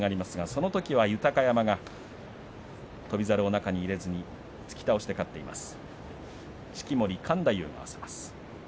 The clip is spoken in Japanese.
そのときは豊山が翔猿を中に入れずに突き倒しで勝っています。